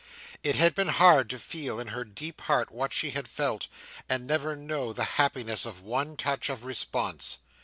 It had been hard to feel in her deep heart what she had felt, and never know the happiness of one touch of response.